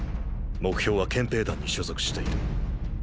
目標は憲兵団に所属している。